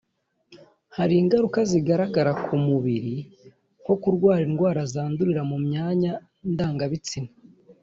Hari ingaruka zigaragara ku mubiri nko kurwara indwara zandurira mu myanya ndangabitsina